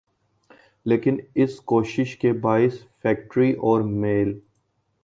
لیکن اس کوشش کے باعث فیکٹری اور میل